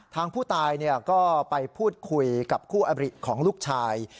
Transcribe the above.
ทางผู้ตายก็ไปพูดคุยกับคู่อบริของลูกชาย